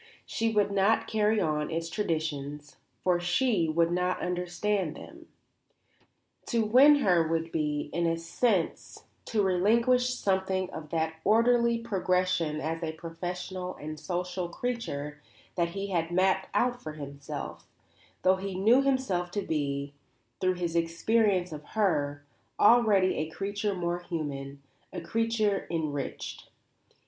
She would not carry on its traditions, for she would not understand them. To win her would be, in a sense, to relinquish something of that orderly progression as a professional and social creature that he had mapped out for himself, though he knew himself to be, through his experience of her, already a creature more human, a creature enriched.